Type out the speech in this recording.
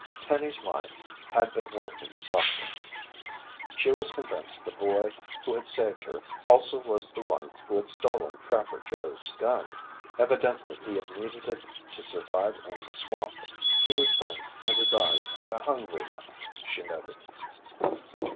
Penny's mind had been working swiftly. She was convinced the boy who had saved her also was the one who had stolen Trapper Joe's gun. Evidently, he had needed it to survive in the swamp. He was thin and his eyes had a hungry look, she noted.